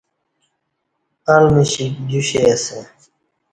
ال مشیک جوشئ اسہ